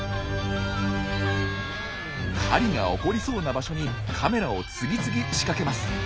狩りが起こりそうな場所にカメラを次々仕掛けます。